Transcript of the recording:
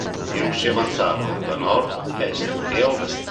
I russi avanzarono da nord, est e ovest.